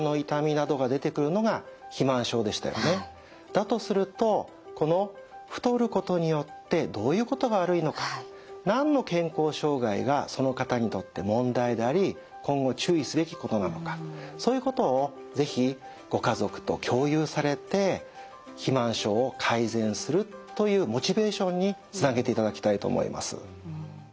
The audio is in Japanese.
だとするとこの太ることによってどういうことが悪いのか何の健康障害がその方にとって問題であり今後注意すべきことなのかそういうことを是非ご家族と共有されて肥満症を改善するというモチベーションにつなげていただきたいと思います。